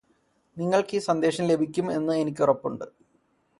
നിങ്ങൾക്ക് ഈ സന്ദേശം ലഭിക്കും എന്ന് എനിക്ക് ഉറപ്പുണ്ട്